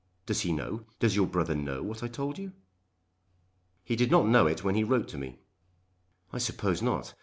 Does he know, does your brother know what I told you?" "He did not know it when he wrote to me." "I suppose not.